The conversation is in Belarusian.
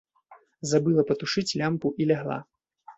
Забыла патушыць лямпу і лягла.